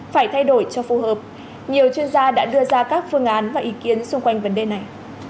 phải thay đổi cho phù hợp nhiều chuyên gia đã đưa ra các phương án và ý kiến xung quanh vấn đề này